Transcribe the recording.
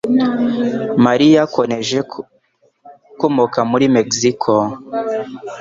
María Conejo ukomoka muri Mexico